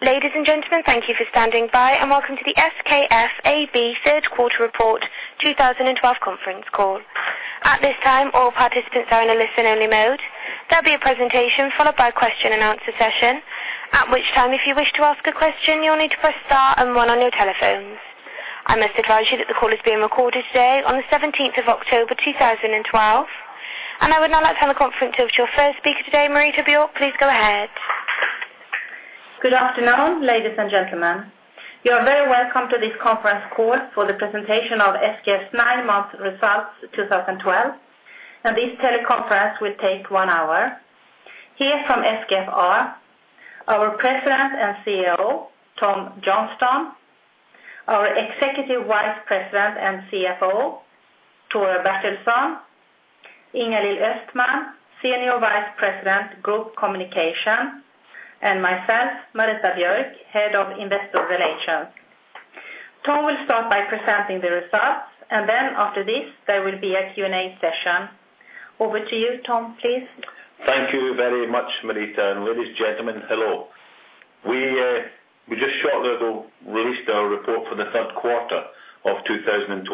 Ladies and gentlemen, thank you for standing by, and welcome to the SKF AB Third Quarter Report 2012 Conference Call. At this time, all participants are in a listen-only mode. There'll be a presentation followed by a question-and-answer session, at which time, if you wish to ask a question, you'll need to press star and one on your telephones. I must advise you that the call is being recorded today, on the seventeenth of October, 2012. And I would now like to hand the conference to your first speaker today, Marita Björk. Please go ahead. Good afternoon, ladies and gentlemen. You are very welcome to this conference call for the presentation of SKF's 9-month results, 2012, and this teleconference will take 1 hour. Here from SKF are our President and CEO, Tom Johnstone, our Executive Vice President and CFO, Tore Bertilsson, Ingalill Östman, Senior Vice President, Group Communications, and myself, Marita Björk, Head of Investor Relations. Tom will start by presenting the results, and then after this, there will be a Q&A session. Over to you, Tom, please. Thank you very much, Marita, and ladies and gentlemen, hello. We just shortly ago released our report for the third quarter of 2012,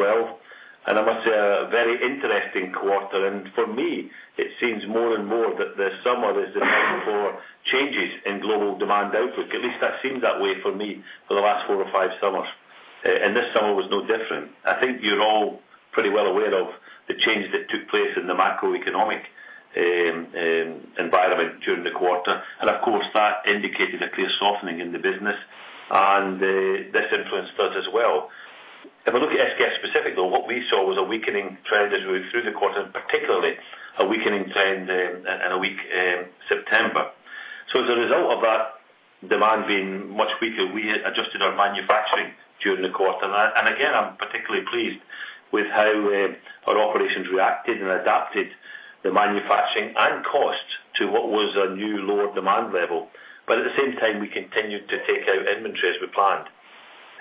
and I must say, a very interesting quarter. For me, it seems more and more that the summer is the time for changes in global demand outlook. At least that seems that way for me for the last four or five summers, and this summer was no different. I think you're all pretty well aware of the changes that took place in the macroeconomic environment during the quarter. And, of course, that indicated a clear softening in the business, and this influenced us as well. If I look at SKF specifically, though, what we saw was a weakening trend as we went through the quarter, and particularly a weakening trend in a weak September. So as a result of that demand being much weaker, we adjusted our manufacturing during the quarter. And again, I'm particularly pleased with how our operations reacted and adapted the manufacturing and costs to what was a new lower demand level. But at the same time, we continued to take out inventory as we planned.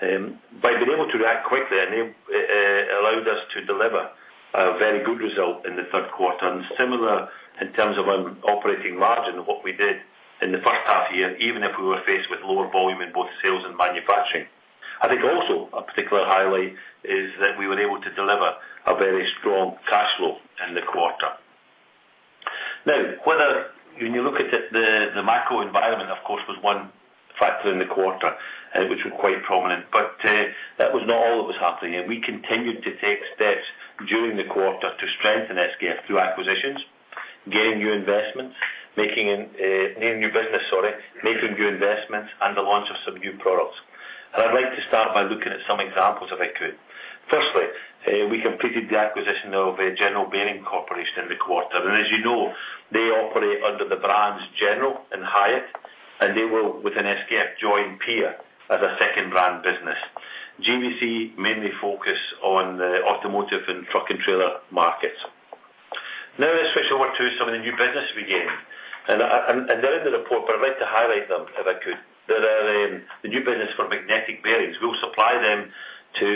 By being able to react quickly, allowed us to deliver a very good result in the third quarter, and similar in terms of an operating margin of what we did in the first half of the year, even if we were faced with lower volume in both sales and manufacturing. I think also a particular highlight is that we were able to deliver a very strong cash flow in the quarter. Now, whether when you look at it, the macro environment, of course, was one factor in the quarter, which was quite prominent, but that was not all that was happening, and we continued to take steps during the quarter to strengthen SKF through acquisitions, gaining new investments, making new business, sorry, making new investments, and the launch of some new products. And I'd like to start by looking at some examples, if I could. Firstly, we completed the acquisition of General Bearing Corporation in the quarter. And as you know, they operate under the brands General and Hyatt, and they will, within SKF, join Peer as a second brand business. GBC mainly focus on the automotive and truck and trailer markets. Now, let's switch over to some of the new business we gained. And they're in the report, but I'd like to highlight them if I could. There are the new business for magnetic bearings. We'll supply them to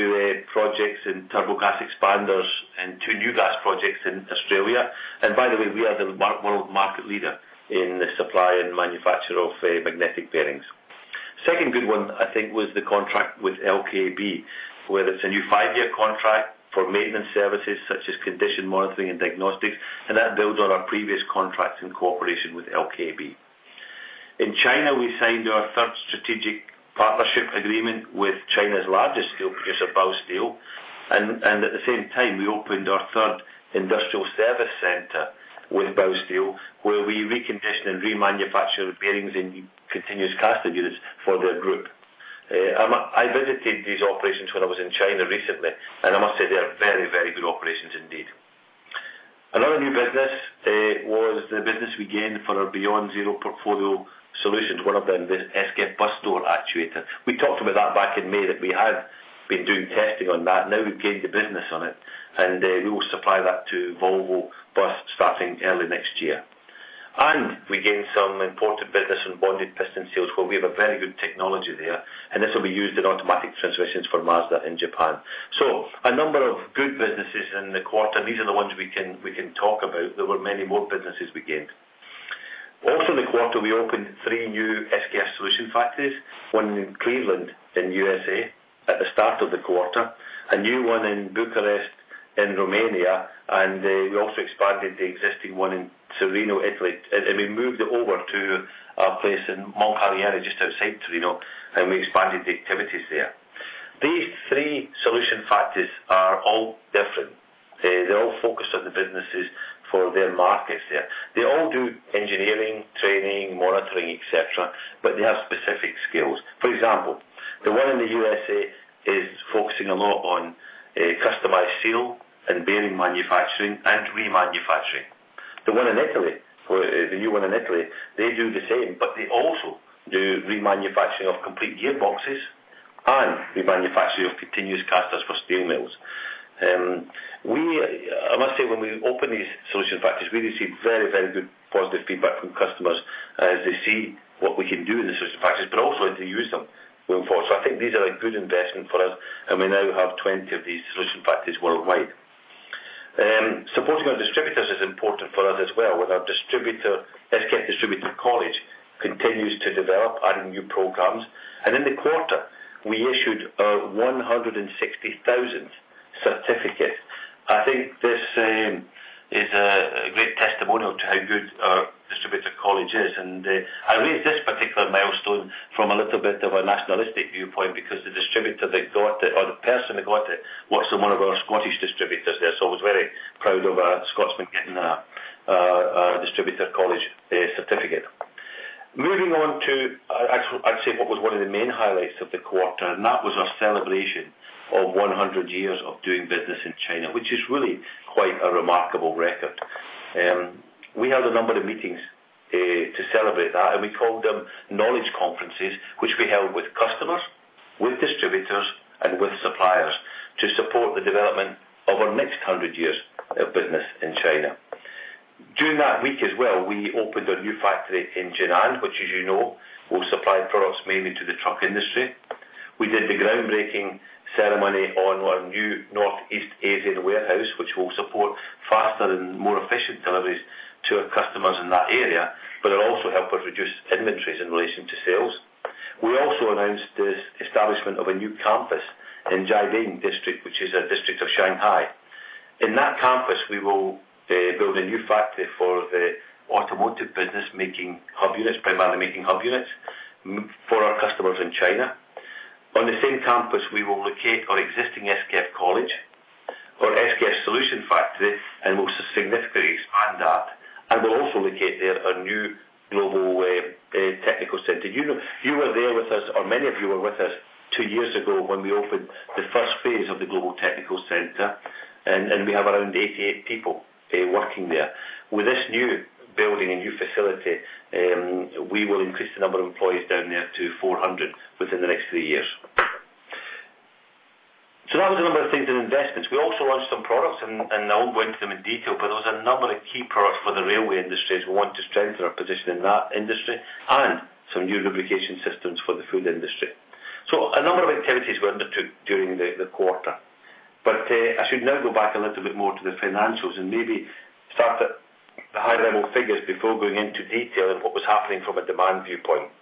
projects in turbo gas expanders and two new gas projects in Australia. And by the way, we are the world market leader in the supply and manufacture of magnetic bearings. Second good one, I think, was the contract with LKAB, where it's a new five-year contract for maintenance services such as condition monitoring and diagnostics, and that builds on our previous contracts in cooperation with LKAB. In China, we signed our third strategic partnership agreement with China's largest steel producer, Baosteel. And at the same time, we opened our third industrial service center with Baosteel, where we recondition and remanufacture bearings in continuous casting units for their group. I visited these operations when I was in China recently, and I must say they are very, very good operations indeed. Another new business was the business we gained for our BeyondZero portfolio solutions, one of them, the SKF bus door actuator. We talked about that back in May, that we had been doing testing on that. Now we've gained the business on it, and we will supply that to Volvo Bus starting early next year. And we gained some important business in bonded piston seals, where we have a very good technology there, and this will be used in automatic transmissions for Mazda in Japan. So a number of good businesses in the quarter, these are the ones we can talk about. There were many more businesses we gained. Also, in the quarter, we opened three new SKF Solution Factories, one in Cleveland, in USA, at the start of the quarter, a new one in Bucharest, in Romania, and we also expanded the existing one in Torino, Italy. We moved over to a place in Moncalieri, just outside Torino, and we expanded the activities there. These three Solution Factories are all different. They're all focused on the businesses for their markets there. They all do engineering, training, monitoring, et cetera, but they have specific skills. For example, the one in the USA is focusing a lot on customized steel and bearing manufacturing and remanufacturing. The one in Italy, the new one in Italy, they do the same, but they also do remanufacturing of complete gearboxes and remanufacturing of continuous casters for steel mills. We... I must say, when we open these Solution Factories, we receive very, very good positive feedback from customers as they see what we can do in the Solution Factories, but also when they use them going forward. So I think these are a good investment for us, and we now have 20 of these Solution Factories worldwide. Supporting our distributors is important for us as well, with our distributor, SKF Distributor College, continues to develop, adding new programs. And in the quarter, we issued our 160,000th certificate. I think this is a great testimonial to how good our Distributor College is, and I raise this particular milestone from a little bit of a nationalistic viewpoint, because the distributor that got it, or the person that got it, was one of our Scottish distributors there. So I was very proud of a Scotsman getting a Distributor College certificate. Moving on to, I'd say, what was one of the main highlights of the quarter, and that was our celebration of 100 years of doing business in China, which is really quite a remarkable record. We held a number of meetings to celebrate that, and we called them Knowledge Conferences, which we held with customers, with distributors, and with suppliers to support the development of our next 100 years of business in China. During that week as well, we opened a new factory in Jinan, which, as you know, will supply products mainly to the truck industry. We did the groundbreaking ceremony on our new Northeast Asian warehouse, which will support faster and more efficient deliveries to our customers in that area, but it'll also help us reduce inventories in relation to sales. We also announced the establishment of a new campus in Jiading District, which is a district of Shanghai. In that campus, we will build a new factory for the automotive business, making hub units, primarily making hub units for our customers in China. On the same campus, we will locate our existing SKF College, our SKF Solution Factory, and we'll significantly expand that, and we'll also locate there a new Global Technical Centre. You know, you were there with us, or many of you were with us, two years ago when we opened the first phase of the Global Technical Centre, and we have around 88 people working there. With this new building and new facility, we will increase the number of employees down there to 400 within the next three years. So that was a number of things in investments. We also launched some products, and I won't go into them in detail, but there was a number of key products for the railway industry, as we want to strengthen our position in that industry, and some new lubrication systems for the food industry. So a number of activities were undertook during the quarter. But I should now go back a little bit more to the financials and maybe start at the high-level figures before going into detail on what was happening from a demand viewpoint.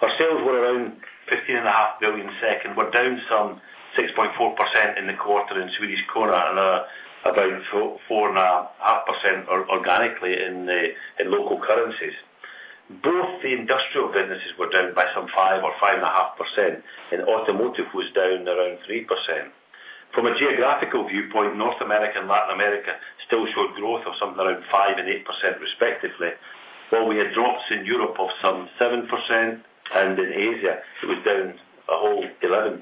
Our sales were around 15.5 billion and were down some 6.4% in the quarter in Swedish krona and, about 4%-4.5% organically in local currencies. Both the industrial businesses were down by some 5%-5.5%, and automotive was down around 3%. From a geographical viewpoint, North America and Latin America still showed growth of something around 5% and 8% respectively. While we had drops in Europe of some 7%, and in Asia, it was down a whole 11%.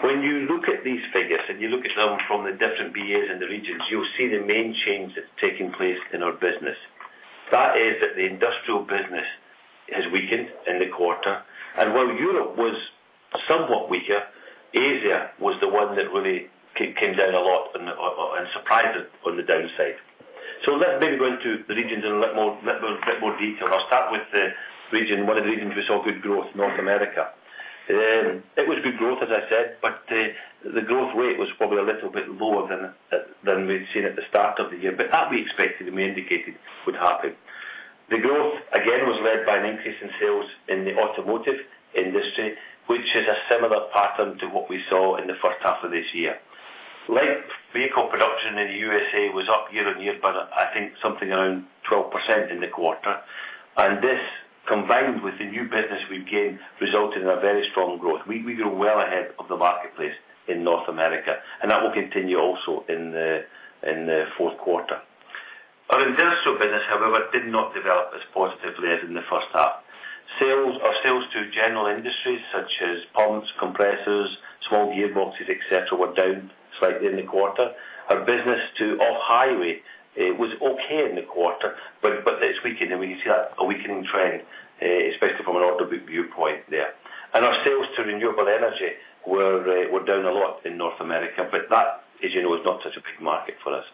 When you look at these figures, and you look at them from the different BAs in the regions, you'll see the main change that's taking place in our business. That is that the industrial business has weakened in the quarter, and while Europe was somewhat weaker, Asia was the one that really came down a lot and surprised us on the downside. So let's maybe go into the regions in a little more, little bit more detail. I'll start with the region, one of the regions we saw good growth, North America. It was good growth, as I said, but the growth rate was probably a little bit lower than we'd seen at the start of the year, but that we expected, and we indicated would happen. The growth, again, was led by an increase in sales in the automotive industry, which is a similar pattern to what we saw in the first half of this year. Light vehicle production in the USA was up year-on-year, by, I think, something around 12% in the quarter. And this, combined with the new business we gained, resulted in a very strong growth. We, we grew well ahead of the marketplace in North America, and that will continue also in the, in the fourth quarter. Our industrial business, however, did not develop as positively as in the first half. Our sales to general industries such as pumps, compressors, small gearboxes, et cetera, were down slightly in the quarter. Our business to off-highway, it was okay in the quarter, but, but it's weakened, and we can see that, a weakening trend, especially from an order book viewpoint there. Our sales to renewable energy were, were down a lot in North America, but that, as you know, is not such a big market for us.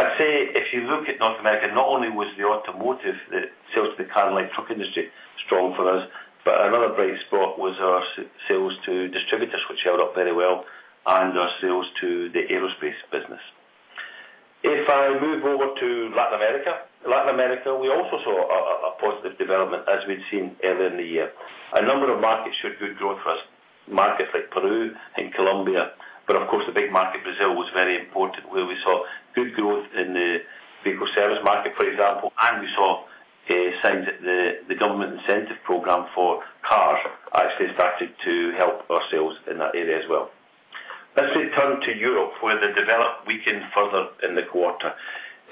I'd say if you look at North America, not only was the automotive, the sales to the car and light truck industry strong for us, but another bright spot was our sales to distributors, which held up very well, and our sales to the aerospace business. If I move over to Latin America. Latin America, we also saw a positive development, as we'd seen earlier in the year. A number of markets showed good growth for us. Markets like Peru and Colombia, but, of course, the big market, Brazil, was very important, where we saw good growth in the vehicle service market, for example, and we saw signs that the government incentive program for cars actually started to help our sales in that area as well. Let me turn to Europe, where the development weakened further in the quarter.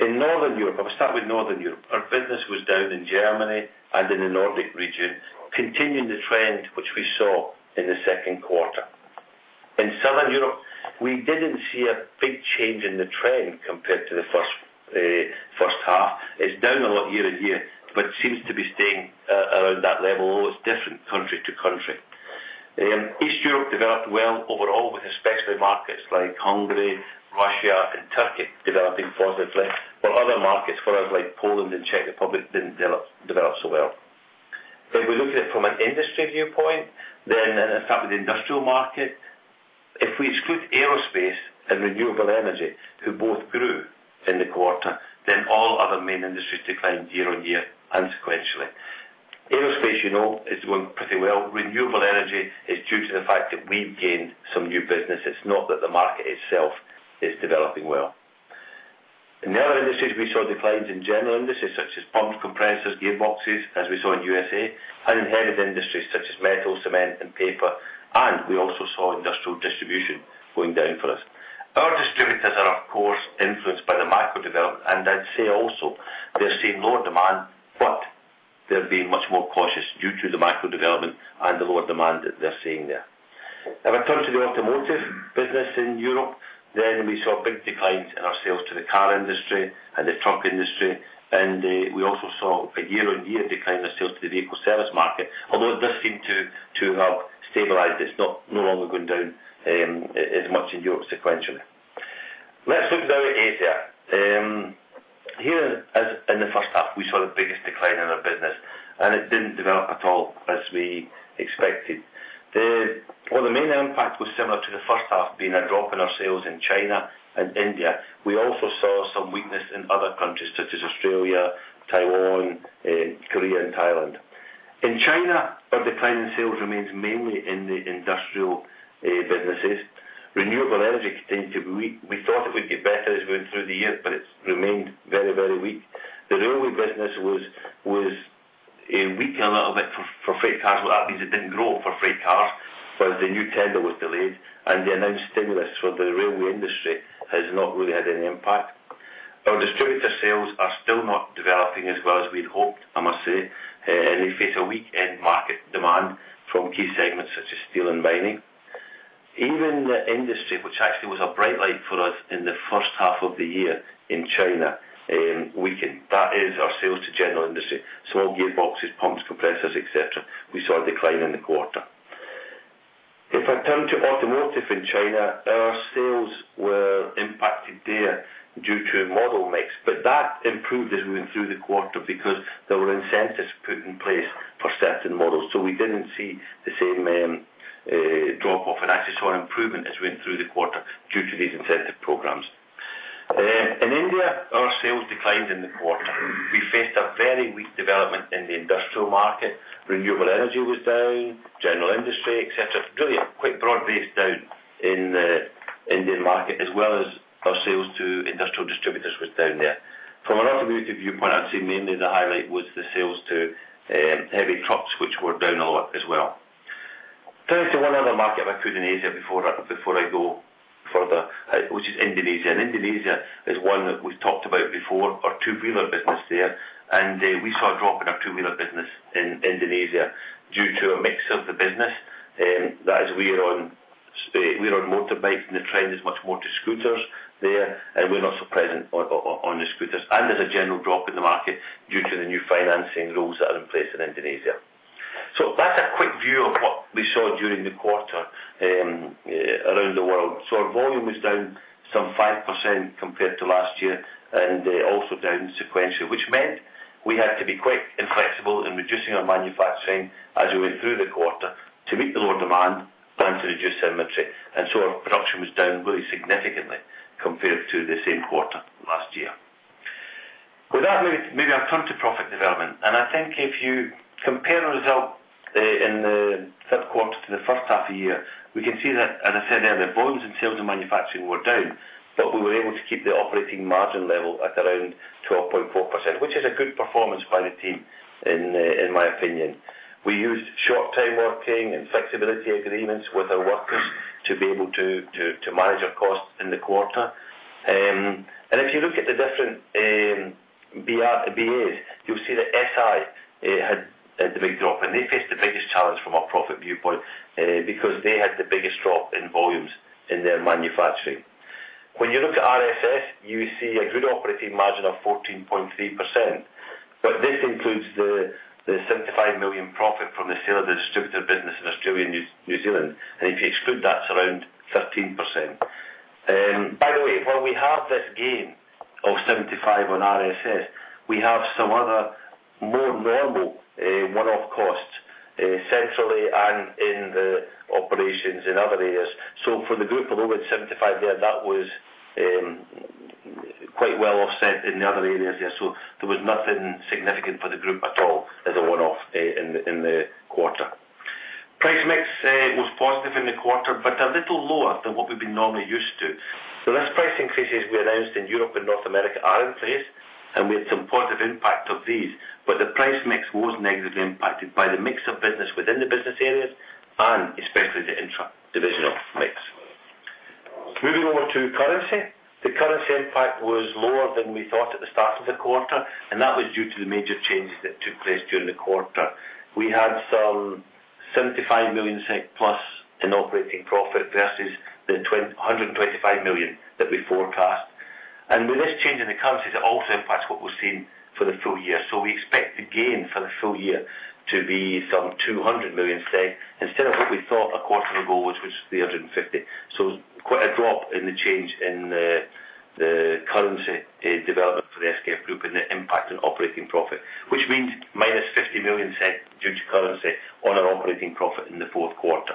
In Northern Europe, I'll start with Northern Europe. Our business was down in Germany and in the Nordic region, continuing the trend which we saw in the second quarter. In Southern Europe, we didn't see a big change in the trend compared to the first half. It's down a lot year-on-year, but seems to be staying around that level, although it's different country to country. East Europe developed well overall, with especially markets like Hungary, Russia, and Turkey developing positively. But other markets for us, like Poland and Czech Republic, didn't develop so well. If we look at it from an industry viewpoint, then in fact, with the industrial market, if we exclude aerospace and renewable energy, who both grew in the quarter, then all other main industries declined year-on-year and sequentially. Aerospace, you know, is going pretty well. Renewable energy is due to the fact that we've gained some new business. It's not that the market itself is developing well. In the other industries, we saw declines in general industries such as pumps, compressors, gearboxes, as we saw in USA, and in heavy industries such as metal, cement, and paper, and we also saw industrial distribution going down for us. Our distributors are, of course, influenced by the macro development, and I'd say also they're seeing lower demand, but they're being much more cautious due to the macro development and the lower demand that they're seeing there. If I turn to the automotive business in Europe, then we saw big declines in our sales to the car industry and the truck industry, and, we also saw a year-on-year decline in our sales to the vehicle service market, although it does seem to have stabilized. It's not no longer going down as much in Europe sequentially. Let's look now at Asia. Here, as in the first half, we saw the biggest decline in our business, and it didn't develop at all as we expected. Well, the main impact was similar to the first half, being a drop in our sales in China and India. We also saw some weakness in other countries such as Australia, Taiwan, Korea, and Thailand. In China, our decline in sales remains mainly in the industrial businesses. Renewable energy continued to be weak. We thought it would get better as we went through the year, but it's remained very, very weak. The railway business was weak a little bit for freight cars. Well, that means it didn't grow for freight cars, as the new tender was delayed, and the announced stimulus for the railway industry has not really had any impact. Our distributor sales are still not developing as well as we'd hoped, I must say, and they face a weak end market demand from key segments such as steel and mining. Even the industry, which actually was a bright light for us in the first half of the year in China, weakened. That is our sales to general industry, so gearboxes, pumps, compressors, et cetera. We saw a decline in the quarter. If I turn to automotive in China, our sales were impacted there due to model mix, but that improved as we went through the quarter because there were incentives put in place for certain models. So we didn't see the same, drop-off, and actually saw an improvement as we went through the quarter due to these incentive programs. In India, our sales declined in the quarter. We faced a very weak development in the industrial market. Renewable energy was down, general industry, et cetera. Really, a quite broad-based down in the Indian market, as well as our sales to industrial distributors was down there. From an automotive viewpoint, I'd say mainly the highlight was the sales to, heavy trucks, which were down a lot as well. Turning to one other market I put in Asia before I, before I go further, which is Indonesia. And Indonesia is one that we've talked about before, our two-wheeler business there, and, we saw a drop in our two-wheeler business in Indonesia due to a mix of the business. That is, we are on motorbike, and the trend is much more to scooters there, and we're not so present on the scooters. And there's a general drop in the market due to the new financing rules that are in place in Indonesia. So that's a quick view of what we saw during the quarter, around the world. So our volume was down some 5% compared to last year, and also down sequentially, which meant we had to be quick and flexible in reducing our manufacturing as we went through the quarter to meet the lower demand and to reduce inventory. And so our production was down really significantly compared to the same quarter last year. With that, maybe I turn to profit development. I think if you compare the result in the third quarter to the first half of the year, we can see that, as I said, the volumes in sales and manufacturing were down, but we were able to keep the operating margin level at around 12.4%, which is a good performance by the team, in my opinion. We used short time working and flexibility agreements with our workers to be able to manage our costs in the quarter. And if you look at the different BAs, you'll see that SI had the big drop, and they faced the biggest challenge from a profit viewpoint, because they had the biggest drop in volumes in their manufacturing. When you look at RSS, you see a good operating margin of 14.3%, but this includes the 75 million profit from the sale of the distributor business in Australia and New Zealand. And if you exclude that, it's around 13%. By the way, while we have this gain of 75 on RSS, we have some other more normal one-off costs centrally and in the operations in other areas. So for the group, although it's 75 million there, that was quite well offset in the other areas. Yeah, so there was nothing significant for the group at all as a one-off in the quarter. Price mix was positive in the quarter, but a little lower than what we've been normally used to. So less price increases we announced in Europe and North America are in place, and we had some positive impact of these, but the price mix was negatively impacted by the mix of business within the business areas and especially the intra-divisional mix. Moving over to currency. The currency impact was lower than we thought at the start of the quarter, and that was due to the major changes that took place during the quarter. We had some 75 million plus in operating profit, versus the two hundred and twenty-five million that we forecast. And with this change in the currency, it also impacts what we're seeing for the full year. So we expect the gain for the full year to be some 200 million, instead of what we thought a quarter ago, which was 350. Quite a drop in the change in the currency development for the SKF Group and the impact on operating profit, which means minus 50 million due to currency on our operating profit in the fourth quarter.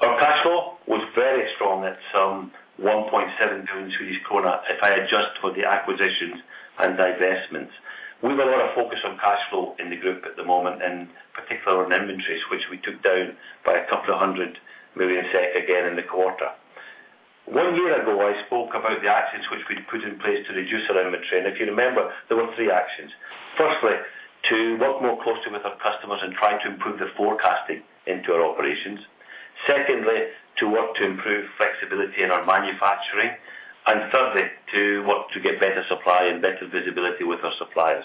Our cash flow was very strong at some 1.7 billion, if I adjust for the acquisitions and divestments. We have a lot of focus on cash flow in the group at the moment, and particularly on inventories, which we took down by a SEK couple of hundred million again in the quarter. One year ago, I spoke about the actions which we'd put in place to reduce our inventory, and if you remember, there were three actions. Firstly, to work more closely with our customers and try to improve the forecasting into our operations. Secondly, to work to improve flexibility in our manufacturing, and thirdly, to work to get better supply and better visibility with our suppliers.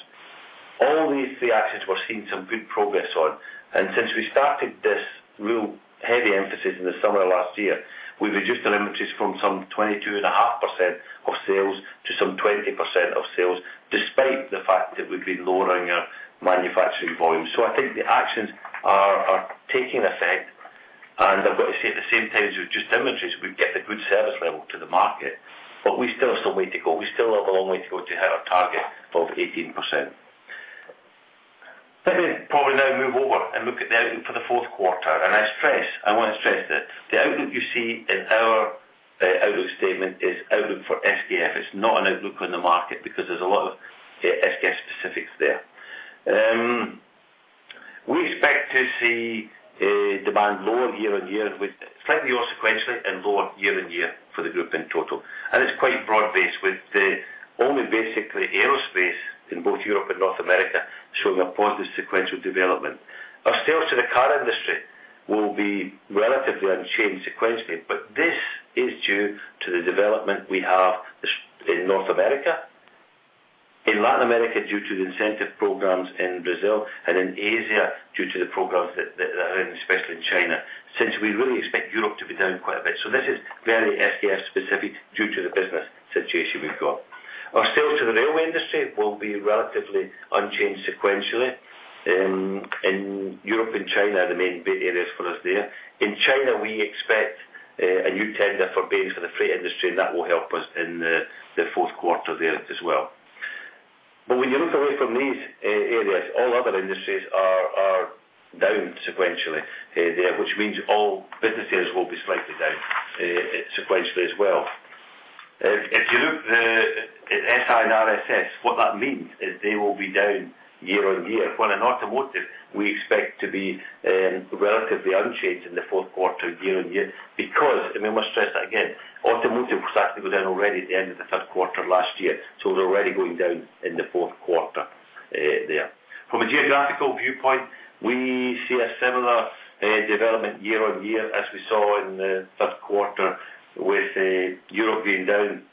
All these three actions we're seeing some good progress on, and since we started this real heavy emphasis in the summer of last year, we reduced our inventories from some 22.5% of sales to some 20% of sales, despite the fact that we've been lowering our manufacturing volumes. So I think the actions are taking effect, and I've got to say, at the same time as we adjust inventories, we get a good service level to the market. But we still have some way to go. We still have a long way to go to hit our target of 18%. Let me probably now move over and look at the outlook for the fourth quarter. And I stress, I want to stress this, the outlook you see in our outlook statement is outlook for SKF. It's not an outlook on the market because there's a lot of SKF specifics there. We expect to see demand lower year-over-year, with slightly more sequentially and lower year-over-year for the group in total. It's quite broad-based, with the only basically aerospace in both Europe and North America showing a positive sequential development. Our sales to the car industry will be relatively unchanged sequentially, but this is due to the development we have in North America, in Latin America, due to the incentive programs in Brazil, and in Asia, due to the programs that are in, especially in China. Since we really expect Europe to be down quite a bit. So this is very SKF specific due to the business situation we've got. Our sales to the railway industry will be relatively unchanged sequentially in Europe and China, are the main areas for us there. In China, we expect a new tender for bearings for the freight industry, and that will help us in the fourth quarter there as well. But when you look away from these areas, all other industries are down sequentially there, which means all businesses will be slightly down sequentially as well. If you look at the SI and RSS, what that means is they will be down year-over-year. While in automotive, we expect to be relatively unchanged in the fourth quarter, year-over-year, because, and we must stress that again, automotive started to go down already at the end of the third quarter last year, so it was already going down in the fourth quarter there. From a geographical viewpoint, we see a similar development year-over-year as we saw in the third quarter, with Europe being down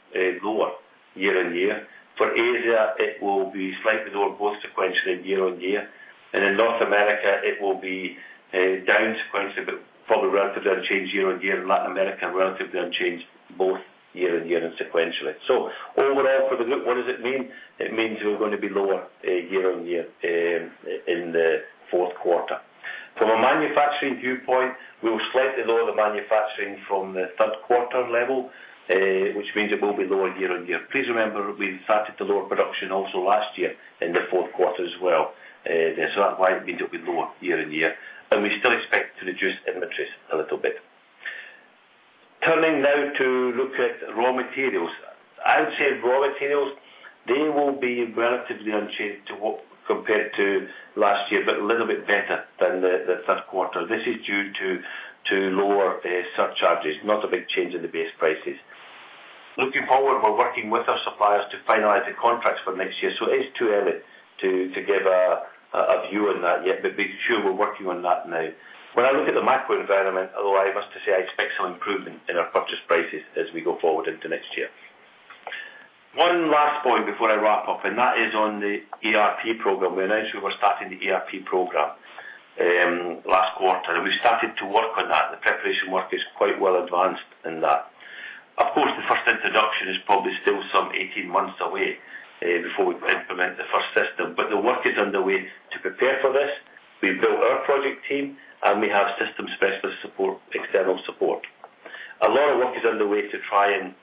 lower year-over-year. For Asia, it will be slightly lower, both sequentially and year-over-year. And in North America, it will be down sequentially, but probably relatively unchanged year-over-year. In Latin America, relatively unchanged both year-over-year and sequentially. So overall, for the group, what does it mean? It means we're going to be lower year-over-year in the fourth quarter. From a manufacturing viewpoint, we will slightly lower the manufacturing from the third quarter level, which means it will be lower year-on-year. Please remember, we started to lower production also last year in the fourth quarter as well, so that's why it means it will be lower year-on-year, and we still expect to reduce inventories a little bit. Turning now to look at raw materials. I would say raw materials, they will be relatively unchanged to what compared to last year, but a little bit better than the first quarter. This is due to lower surcharges, not a big change in the base prices. Looking forward, we're working with our suppliers to finalize the contracts for next year, so it is too early to give a view on that yet, but be sure we're working on that now. When I look at the macro environment, allow us to say I expect some improvement in our purchase prices as we go forward into next year. One last point before I wrap up, and that is on the ERP program. We announced we were starting the ERP program last quarter. We started to work on that. The preparation work is quite well advanced in that. Of course, the first introduction is probably still some 18 months away, before we implement the first system, but the work is underway to prepare for this. We've built our project team, and we have system specialist support, external support. A lot of work is underway to try and,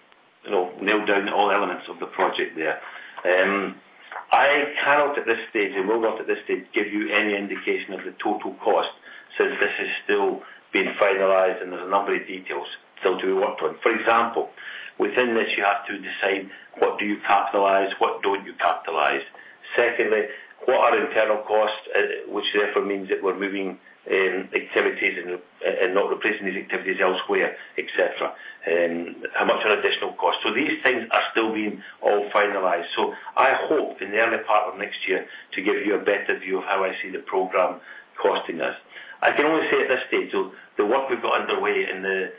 you know, nail down all elements of the project there. I cannot, at this stage, and will not at this stage, give you any indication of the total cost since this is still being finalized and there's a number of details still to be worked on. For example, within this, you have to decide what do you capitalize, what don't you capitalize? Secondly, what are internal costs, which therefore means that we're moving activities and not replacing these activities elsewhere, et cetera. How much are additional costs? So these things are still being all finalized. So I hope in the early part of next year to give you a better view of how I see the program costing us. I can only say at this stage, so the work we've got underway in the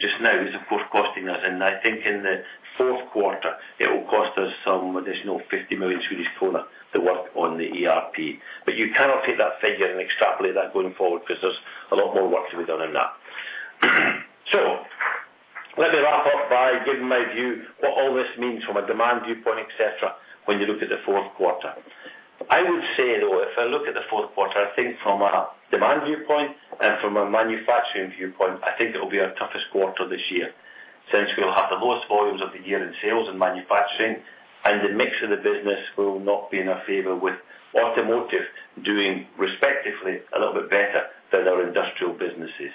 just now is, of course, costing us, and I think in the fourth quarter, it will cost us some additional 50 million Swedish kronor to work on the ERP. But you cannot take that figure and extrapolate that going forward, because there's a lot more work to be done in that. So let me wrap up by giving my view, what all this means from a demand viewpoint, et cetera, when you look at the fourth quarter. I would say, though, if I look at the fourth quarter, I think from a demand viewpoint and from a manufacturing viewpoint, I think it will be our toughest quarter this year, since we'll have the lowest volumes of the year in sales and manufacturing, and the mix of the business will not be in our favor, with automotive doing respectively a little bit better than our industrial businesses.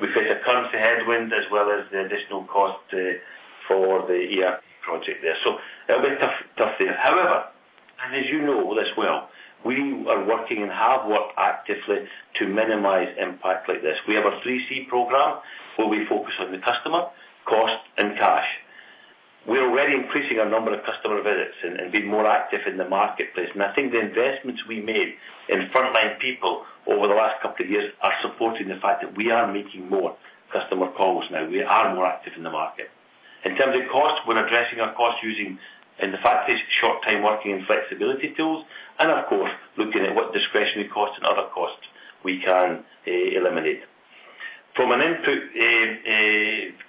We face a currency headwind as well as the additional cost for the ERP project there. So it'll be tough, tough there. However, and as you know this well, we are working and have worked actively to minimize impact like this. We have a three C program, where we focus on the customer, cost, and cash. We're already increasing our number of customer visits and being more active in the marketplace. I think the investments we made in front-line people over the last couple of years are supporting the fact that we are making more customer calls now. We are more active in the market. In terms of cost, we're addressing our cost using, in the factories, short time working and flexibility tools, and of course, looking at what discretionary costs and other costs we can eliminate. From an input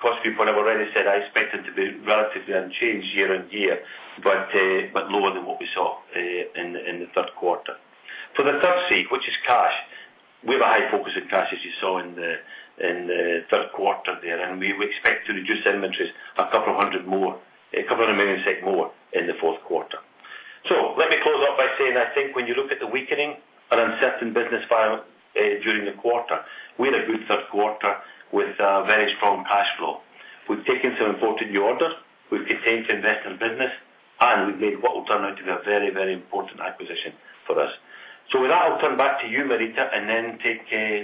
cost viewpoint, I've already said I expect it to be relatively unchanged year-over-year, but lower than what we saw in the third quarter. For the third C, which is cash, we have a high focus on cash, as you saw in the third quarter there, and we expect to reduce inventories a couple of million SEK more in the fourth quarter. So let me close off by saying, I think when you look at the weakening and uncertain business environment, during the quarter, we had a good third quarter with very strong cash flow. We've taken some important new orders, we've continued to invest in the business, and we've made what will turn out to be a very, very important acquisition for us. So with that, I'll turn back to you, Marita, and then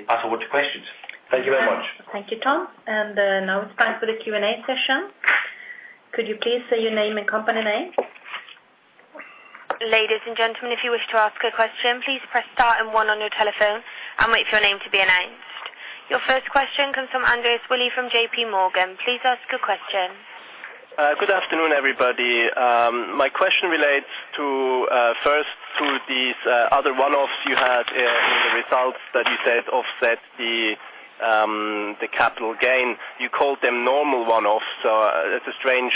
pass over to questions. Thank you very much. Thank you, Tom. Now it's time for the Q&A session. Could you please say your name and company name? Ladies and gentlemen, if you wish to ask a question, please press star and one on your telephone and wait for your name to be announced. Your first question comes from Andreas Willi from JPMorgan. Please ask your question. Good afternoon, everybody. My question relates to, first, to these, other one-offs you had, in the results that you said offset the, the capital gain. You called them normal one-offs. So it's a strange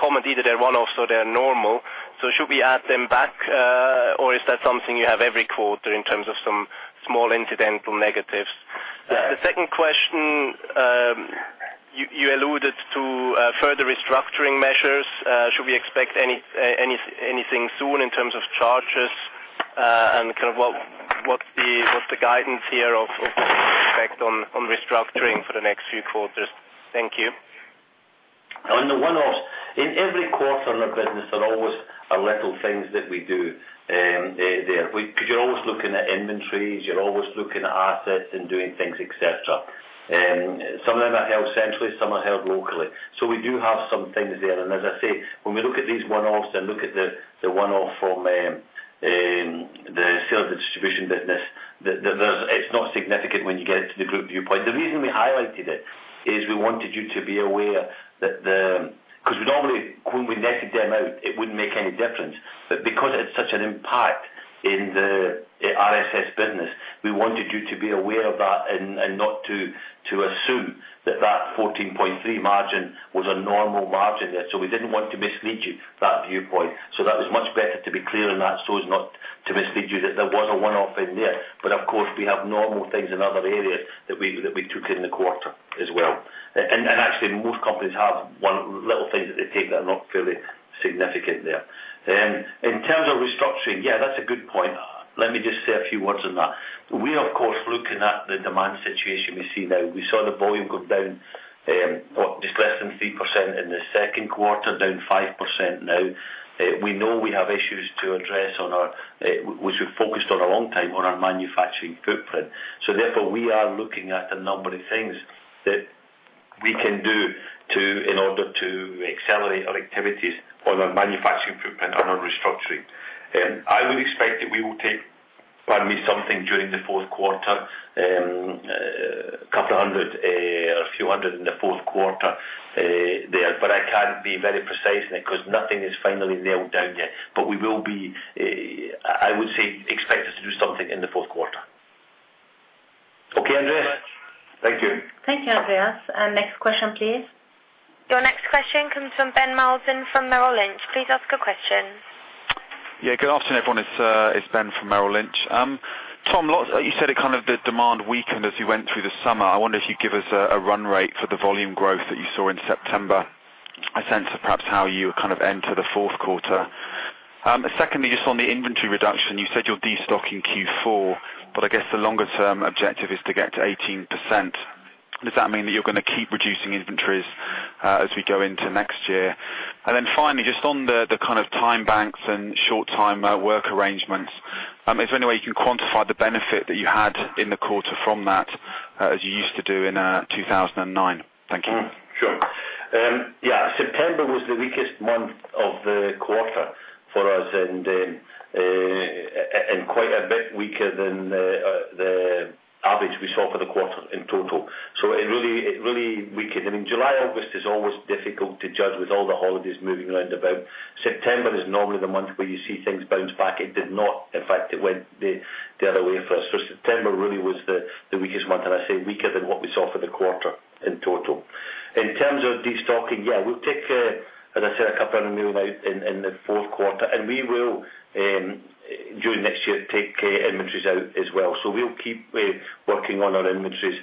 comment. Either they're one-offs or they're normal. So should we add them back, or is that something you have every quarter in terms of some small incidental negatives? The second question, you alluded to, further restructuring measures. Should we expect any, any, anything soon in terms of charges? And kind of what, what's the guidance here of, the effect on, restructuring for the next few quarters? Thank you. On the one-offs, in every quarter in our business, there always are little things that we do there. Because you're always looking at inventories, you're always looking at assets and doing things, et cetera. Some of them are held centrally, some are held locally. So we do have some things there. And as I say, when we look at these one-offs and look at the one-off from the sale of the distribution business, it's not significant when you get it to the group viewpoint. The reason we highlighted it is we wanted you to be aware that the... Because we normally, when we netted them out, it wouldn't make any difference. But because it's such an impact in the RSS business, we wanted you to be aware of that and not to assume that that 14.3 margin was a normal margin there. So we didn't want to mislead you, that viewpoint. So that was much better to be clear on that, so as not to mislead you, that there was a one-off in there. But of course, we have normal things in other areas that we took in the quarter as well. And actually, most companies have one little things that they take that are not fairly significant there. In terms of restructuring, yeah, that's a good point. Let me just say a few words on that. We are, of course, looking at the demand situation we see now. We saw the volume go down, what, just less than 3% in the second quarter, down 5% now. We know we have issues to address on our, which we've focused on a long time, on our manufacturing footprint. Therefore, we are looking at a number of things that we can do in order to accelerate our activities on our manufacturing footprint and on restructuring. I would expect that we will take probably something during the fourth quarter, a couple of hundred, or a few hundred in the fourth quarter there, but I can't be very precise because nothing is finally nailed down yet. We will be, I would say, expect us to do something in the fourth quarter. Okay, Andreas? Thank you. Thank you, Andreas. And next question, please. Your next question comes from Ben Maslen from Merrill Lynch. Please ask your question. Yeah, good afternoon, everyone. It's, it's Ben from Merrill Lynch. Tom, You said it, kind of, the demand weakened as you went through the summer. I wonder if you'd give us a, a run rate for the volume growth that you saw in September, a sense of perhaps how you kind of enter the fourth quarter. Secondly, just on the inventory reduction, you said you're destocking in Q4, but I guess the longer-term objective is to get to 18%. Does that mean that you're going to keep reducing inventories, as we go into next year? And then finally, just on the, the kind of time banks and short-time, work arrangements, is there any way you can quantify the benefit that you had in the quarter from that, as you used to do in, 2009? Thank you. Sure. Yeah, September was the weakest month of the quarter for us, and quite a bit weaker than the average we saw for the quarter in total. So it really, it really weakened. I mean, July, August is always difficult to judge with all the holidays moving round about. September is normally the month where you see things bounce back. It did not. In fact, it went the other way for us. So September really was the weakest month, and I say weaker than what we saw for the quarter in total. In terms of destocking, yeah, we'll take, as I said, a couple 100 million SEK out in the fourth quarter, and we will, during next year, take inventories out as well. So we'll keep working on our inventories.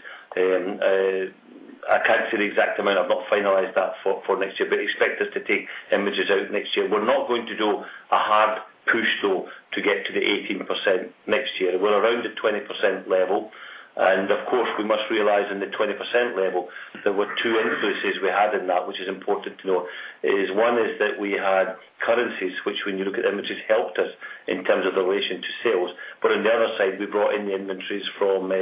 I can't say the exact amount. I've not finalized that for next year, but expect us to take inventories out next year. We're not going to do a hard push, though, to get to the 18% next year. We're around the 20% level, and of course, we must realize in the 20% level, there were two influences we had in that, which is important to note, is one is that we had currencies, which when you look at inventories, helped us in terms of the relation to sales. But on the other side, we brought in the inventories from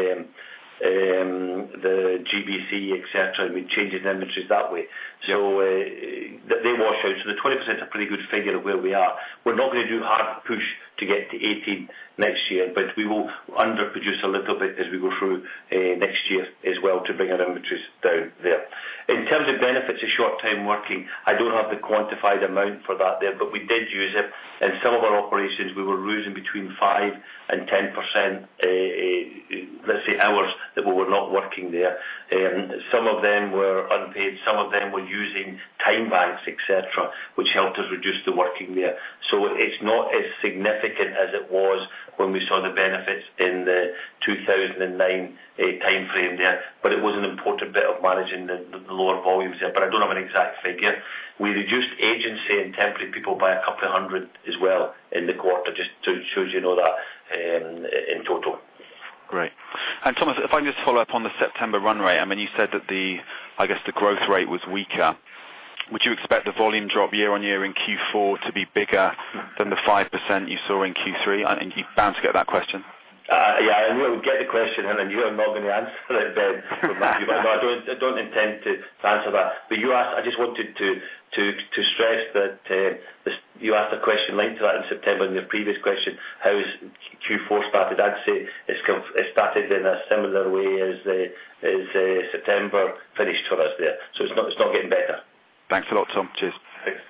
the GBC, et cetera, and we changed the inventories that way. So they wash out. So the 20% is a pretty good figure of where we are. We're not going to do a hard push to get to 18 next year, but we will underproduce a little bit as we go through next year as well to bring our inventories down there. In terms of benefits of short time working, I don't have the quantified amount for that there, but we did use it. In some of our operations, we were losing between 5% and 10%, let's say, hours that we were not working there. Some of them were unpaid, some of them were using time banks, et cetera, which helped us reduce the working there. So it's not as significant as it was when we saw the benefits in the 2009 time frame there, but it was an important bit of managing the lower volumes there, but I don't have an exact figure. We reduced agency and temporary people by 200 as well in the quarter, just to show you know that, in total. Great. And Thomas, if I can just follow up on the September run rate. I mean, you said that, I guess, the growth rate was weaker. Would you expect the volume drop year-on-year in Q4 to be bigger than the 5% you saw in Q3? I think you're bound to get that question. Yeah, I knew I would get the question, and then you are not going to answer it, Ben. But I don't intend to answer that. But you asked. I just wanted to stress that this. You asked a question linked to that in September in your previous question, how has Q4 started? I'd say it started in a similar way as September finished for us there. So it's not getting better. Thanks a lot, Tom. Cheers. Thanks.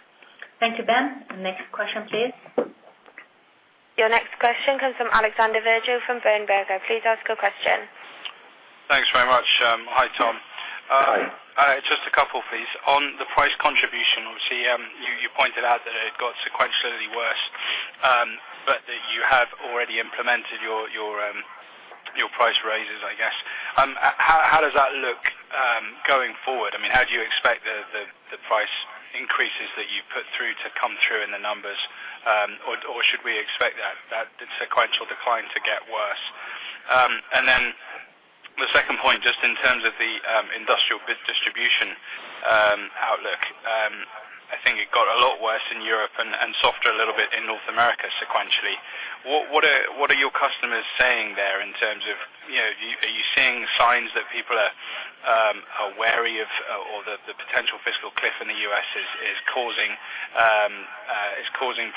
Thank you, Ben. Next question, please. Your next question comes from Alexander Virgil from Berenberg. Please ask your question. Thanks very much. Hi, Tom. Hi. Just a couple, please. On the price contribution, obviously, you pointed out that it had got sequentially worse, but that you have already implemented your price raises, I guess. How does that look going forward? I mean, how do you expect the price increases that you put through to come through in the numbers? Or should we expect that sequential decline to get worse? And then the second point, just in terms of the industrial goods distribution outlook, I think it got a lot worse in Europe and softer a little bit in North America sequentially. What are your customers saying there in terms of, you know, are you seeing signs that people are wary of, or the potential fiscal cliff in the U.S. is causing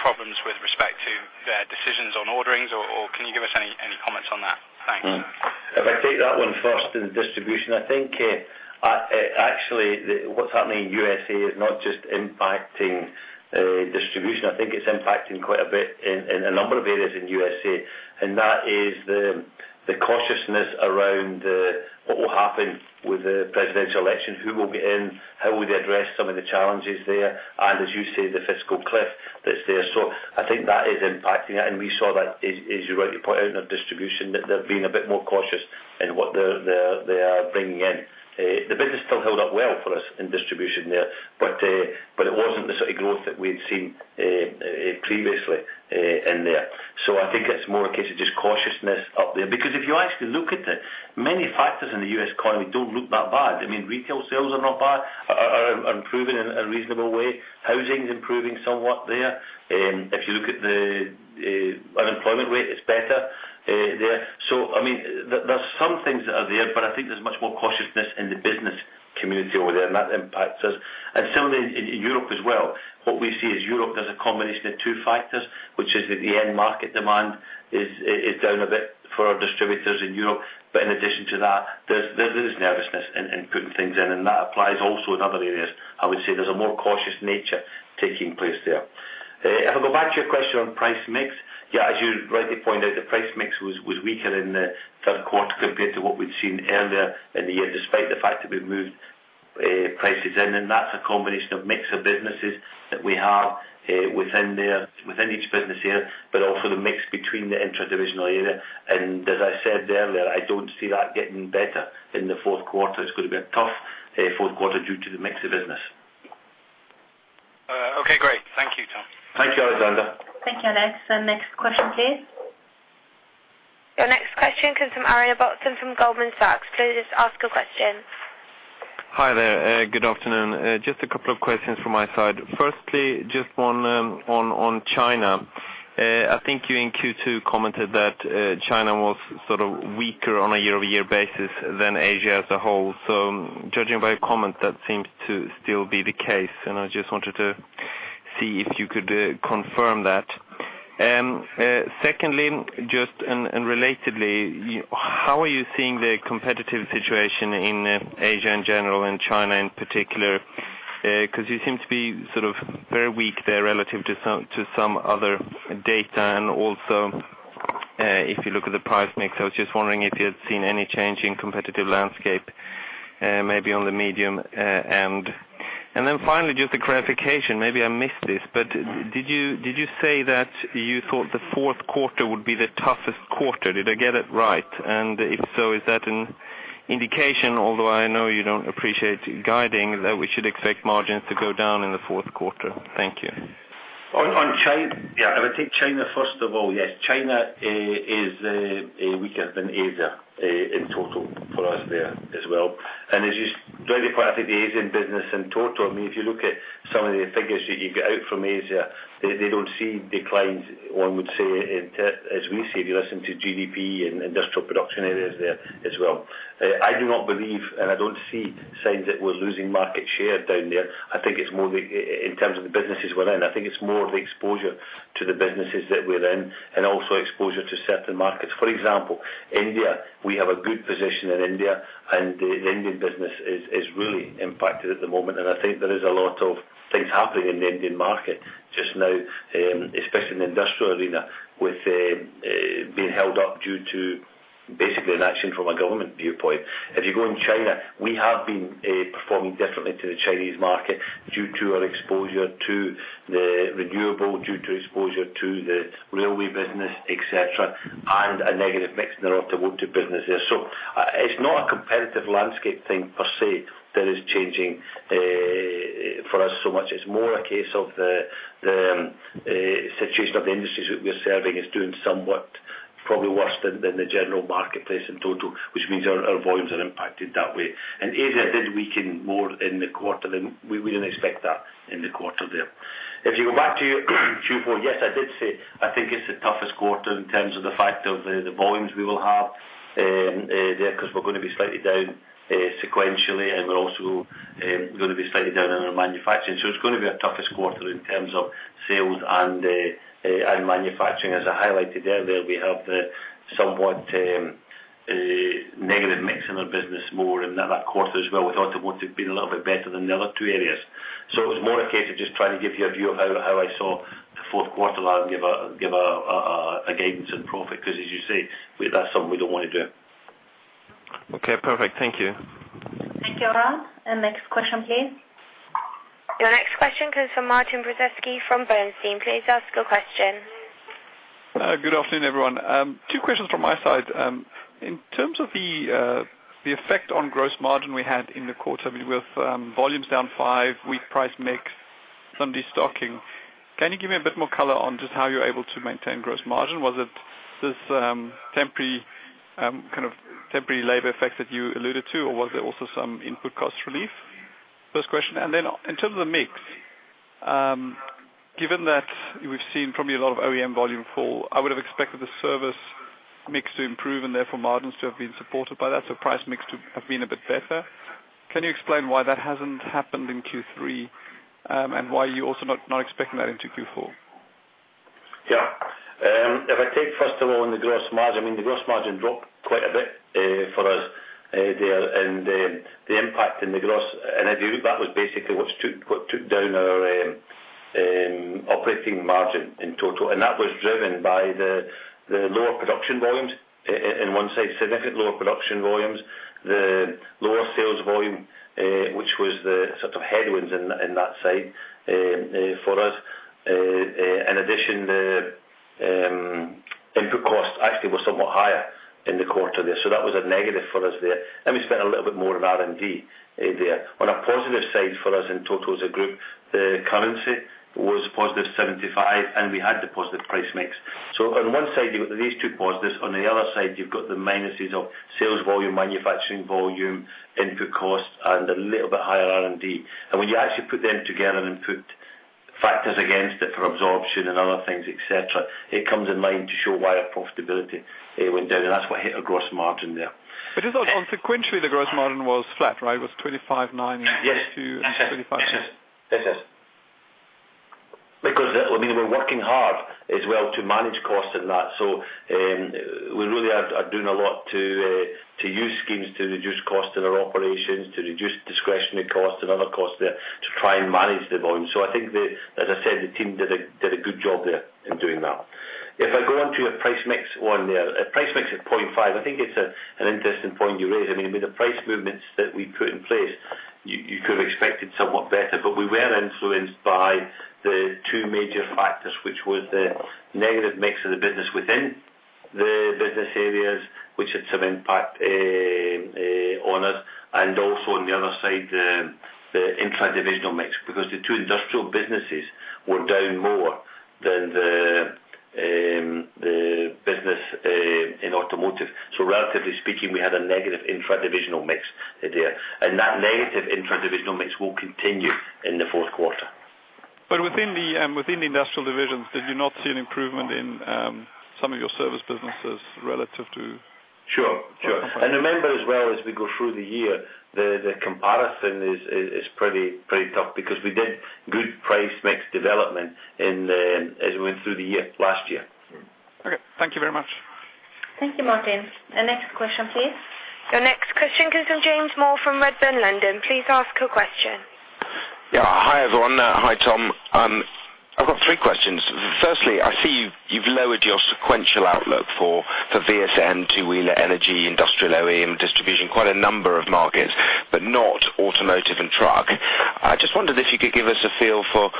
problems with respect to their decisions on orderings? Or can you give us any comments on that? Thanks. Mm-hmm. If I take that one first, in distribution, I think, actually, what's happening in USA is not just impacting distribution. I think it's impacting quite a bit in a number of areas in USA, and that is the cautiousness around what will happen with the presidential election, who will get in, how will they address some of the challenges there, and as you say, the fiscal cliff that's there. So I think that is impacting it, and we saw that, as you rightly point out, in our distribution, that they're being a bit more cautious in what they're bringing in. The business still held up well for us in distribution there, but it wasn't the sort of growth that we had seen previously in there. So I think it's more a case of just cautiousness up there. Because if you actually look at it, many factors in the U.S. economy don't look that bad. I mean, retail sales are not bad, are improving in a reasonable way. Housing's improving somewhat there. If you look at the unemployment rate, it's better there. So I mean, there are some things that are there, but I think there's much more cautiousness in the business community over there, and that impacts us. And similarly in Europe as well, what we see is Europe, there's a combination of two factors, which is that the end market demand is down a bit for our distributors in Europe. But in addition to that, there is nervousness in putting things in, and that applies also in other areas. I would say there's a more cautious nature taking place there. If I go back to your question on price mix, yeah, as you rightly pointed out, the price mix was weaker in the third quarter compared to what we'd seen earlier in the year, despite the fact that we moved prices in. And that's a combination of mix of businesses that we have within there, within each business unit, but also the mix between the interdivisional area. And as I said earlier, I don't see that getting better in the fourth quarter. It's going to be a tough fourth quarter due to the mix of business. Okay, great. Thank you, Tom. Thank you, Alexander. Thank you, Alex. Next question, please. Your next question comes from Aaron Ibbotson from Goldman Sachs. Please ask a question. Hi there, good afternoon. Just a couple of questions from my side. Firstly, just one on China. I think you in Q2 commented that China was sort of weaker on a year-over-year basis than Asia as a whole. So judging by your comment, that seems to still be the case, and I just wanted to see if you could confirm that. Secondly, just and relatedly, how are you seeing the competitive situation in Asia in general and China in particular? 'Cause you seem to be sort of very weak there relative to some other data, and also if you look at the price mix, I was just wondering if you had seen any change in competitive landscape, maybe on the medium end. Then finally, just a clarification, maybe I missed this, but did you, did you say that you thought the fourth quarter would be the toughest quarter? Did I get it right? And if so, is that an indication, although I know you don't appreciate guiding, that we should expect margins to go down in the fourth quarter. Thank you. On China. Yeah, if I take China, first of all, yes, China is weaker than Asia in total for us there as well. As you probably, part of the Asian business in total, I mean, if you look at some of the figures that you get out from Asia, they don't see declines, one would say, as we say, if you listen to GDP and industrial production areas there as well. I do not believe, and I don't see signs that we're losing market share down there. I think it's more, in terms of the businesses we're in, I think it's more the exposure to the businesses that we're in, and also exposure to certain markets. For example, India, we have a good position in India, and the Indian business is really impacted at the moment. I think there is a lot of things happening in the Indian market just now, especially in the industrial arena, with being held up due to basically an action from a government viewpoint. If you go in China, we have been performing differently to the Chinese market due to our exposure to the renewable, due to exposure to the railway business, et cetera, and a negative mix in the automotive business there. So it's not a competitive landscape thing per se, that is changing, for us so much. It's more a case of the situation of the industries that we're serving is doing somewhat, probably worse than the general marketplace in total, which means our volumes are impacted that way. And Asia did weaken more in the quarter than we didn't expect that in the quarter there. If you go back to Q4, yes, I did say, I think it's the toughest quarter in terms of the fact of the volumes we will have there, 'cause we're gonna be slightly down sequentially, and we're also gonna be slightly down in our manufacturing. So it's gonna be our toughest quarter in terms of sales and manufacturing. As I highlighted earlier, we have the somewhat negative mix in our business more in that quarter as well, with automotive being a little bit better than the other two areas. So it was more a case of just trying to give you a view of how I saw the fourth quarter rather than give a guidance and profit, 'cause as you say, we- that's something we don't want to do. Okay, perfect. Thank you. Thank you, Ron. And next question, please. Your next question comes from Martin Prozesky, from Bernstein. Please ask your question. Good afternoon, everyone. Two questions from my side. In terms of the effect on gross margin we had in the quarter, with volumes down 5%, weak price mix, some de-stocking, can you give me a bit more color on just how you're able to maintain gross margin? Was it this temporary kind of temporary labor effect that you alluded to, or was there also some input cost relief? First question, and then in terms of mix, given that we've seen probably a lot of OEM volume fall, I would have expected the service mix to improve and therefore margins to have been supported by that, so price mix to have been a bit better. Can you explain why that hasn't happened in Q3, and why you're also not expecting that into Q4? Yeah. If I take first of all, on the gross margin, I mean, the gross margin dropped quite a bit, for us, there, and, the impact in the gross, and if you... That was basically what took, what took down our, operating margin in total, and that was driven by the, the lower production volumes, in one side, significant lower production volumes, the lower sales volume, which was the sort of headwinds in, in that side, for us. In addition, the, input cost actually was somewhat higher in the quarter there, so that was a negative for us there. And we spent a little bit more on R&D there. On a positive side for us in total, as a group, the currency was +75, and we had the positive price mix. So on one side, you've got these two positives. On the other side, you've got the minuses of sales volume, manufacturing volume, input costs, and a little bit higher R&D. And when you actually put them together and put factors against it for absorption and other things, et cetera, it comes in line to show why our profitability went down. And that's what hit our gross margin there. Just on sequentially, the gross margin was flat, right? It was 25.9-- Yes. -- 22, and 25. Yes. Yes, yes. Because, I mean, we're working hard as well to manage costs in that. So, we really are doing a lot to use schemes to reduce costs in our operations, to reduce discretionary costs and other costs there, to try and manage the volume. So I think the... As I said, the team did a good job there in doing that. If I go on to the price mix one there, price mix at 0.5%, I think it's an interesting point you raise. I mean, with the price movements that we put in place, you could have expected somewhat better, but we were influenced by the two major factors, which was the negative mix of the business within the business areas, which had some impact on us, and also on the other side, the intradivisional mix. Because the two industrial businesses were down more than the business in automotive. So relatively speaking, we had a negative intradivisional mix there. And that negative intradivisional mix will continue in the fourth quarter. But within the industrial divisions, did you not see an improvement in some of your service businesses relative to? Sure, sure. And remember, as well as we go through the year, the comparison is pretty tough because we did good price mix development in the, as we went through the year, last year. Okay. Thank you very much. Thank you, Martin. Our next question, please. Your next question comes from James Moore from Redburn London. Please ask your question. ... Yeah. Hi, everyone. Hi, Tom. I've got three questions. Firstly, I see you've lowered your sequential outlook for VSM, two-wheeler, energy, industrial OEM, distribution, quite a number of markets, but not automotive and truck. I just wondered if you could give us a feel for